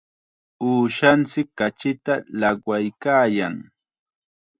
Uushanchik kachita llaqwaykaayan.